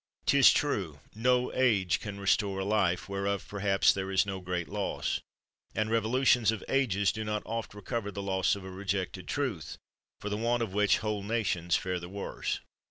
'Tis true, no age can restore a life, whereof perhaps there is no great loss; and revolutions of ages do not oft recover the loss of a rejected truth, for the want of which whole nations fare the worse.